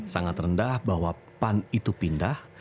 sangat rendah bahwa pan itu pindah